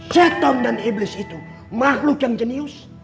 ceton dan iblis itu makhluk yang jenius